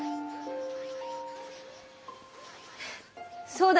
そうだ。